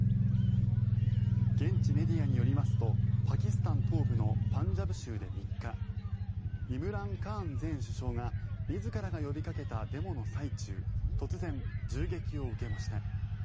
現地メディアによりますとパキスタン東部のパンジャブ州で３日イムラン・カーン前首相が自らが呼びかけたデモの最中突然、銃撃を受けました。